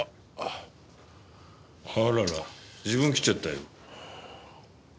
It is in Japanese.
あらら自分切っちゃったよ。